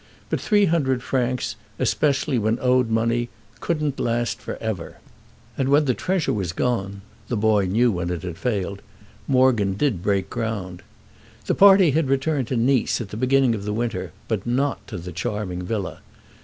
But three hundred francs, especially when one owed money, couldn't last for ever; and when the treasure was gone—the boy knew when it had failed—Morgan did break ground. The party had returned to Nice at the beginning of the winter, but not to the charming villa.